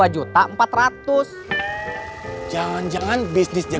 jangan jangan bisnis jalan